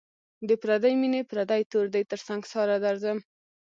د پردۍ میني پردی تور دی تر سنگساره درځم